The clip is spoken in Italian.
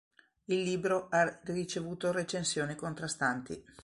Il libro ha ricevuto recensioni contrastanti.